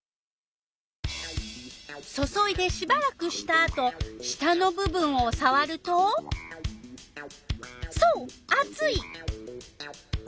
注いでしばらくしたあと下の部分をさわるとそうあつい！